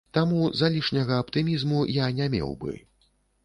Таму залішняга аптымізму я не меў бы.